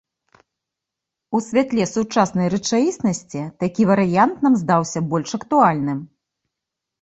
У святле сучаснай рэчаіснасці такі варыянт нам здаўся больш актуальным.